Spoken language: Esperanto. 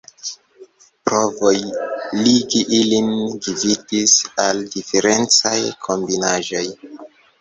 Provoj ligi ilin gvidis al diferencaj kombinaĵoj.